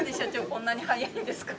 こんなに早いんですか？